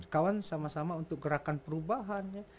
kawan sama sama untuk gerakan perubahan ya